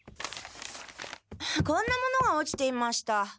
こんなものが落ちていました。